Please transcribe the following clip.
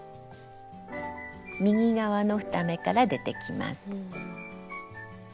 右側の２目から出てきます。